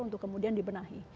untuk kemudian dibenahi